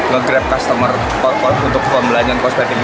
nge grab customer untuk pembelanian kosmetik